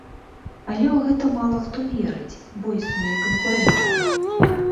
Але ў гэта мала хто верыць, бо існуе канкурэнцыя.